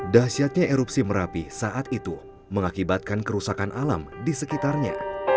dahsyatnya erupsi merapi saat itu mengakibatkan kerusakan alam di sekitarnya